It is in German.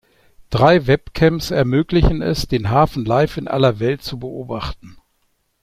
Drei Webcams ermöglichen es, den Hafen live in aller Welt zu beobachten.